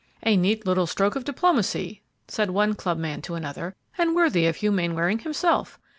"A neat little stroke of diplomacy," said one club man to another, "and worthy of Hugh Mainwaring himself!